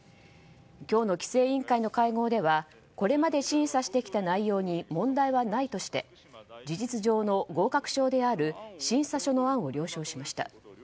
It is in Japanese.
今日の規制委員会の会合ではこれまで審査してきた内容に問題はないとして事実上の合格証である審査書の案を了承しました。